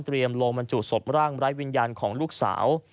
เตรียมโรงบรรจุศพร่างไร้วิญญาณของลูกสาว